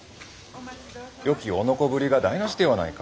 よき男ぶりが台なしではないか。